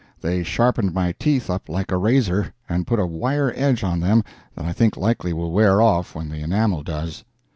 They sharpened my teeth up like a razor, and put a "wire edge" on them that I think likely will wear off when the enamel does.